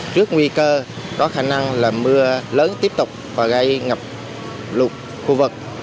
trước nguy cơ có khả năng là mưa lớn tiếp tục và gây ngập lụt khu vực